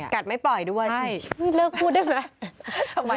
ไม่ปล่อยด้วยเลิกพูดได้ไหม